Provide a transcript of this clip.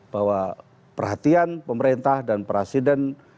bahwa perhatian pemerintah dan presiden